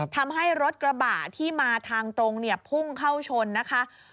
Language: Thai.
ทำให้รถกระบะที่มาทางตรงเนี่ยพุ่งเข้าชนนะคะ